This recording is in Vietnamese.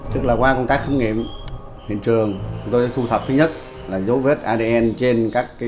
tức là qua công tác khám nghiệm hiện trường chúng tôi đã thu thập thứ nhất là dấu vết adn trên các cái đối tượng